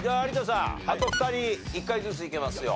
あと２人１回ずついけますよ。